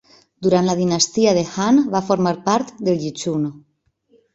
Durant la dinastia de Han, va formar part de Yichun.